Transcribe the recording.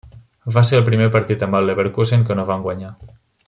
Va ser el primer partit amb el Leverkusen que no van guanyar.